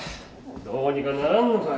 どうにかならんのか。